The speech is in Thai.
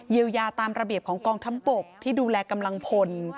เยียวยาตามระเบียบของกองทัพบกที่ดูแลกำลังพล